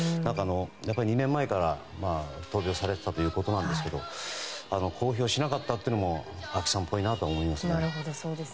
やっぱり２年前から闘病されてたということなんですが公表しなかったというのもあきさんぽいなと思いますね。